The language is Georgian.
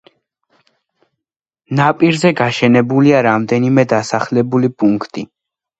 ნაპირზე გაშენებულია რამდენიმე დასახლებული პუნქტი.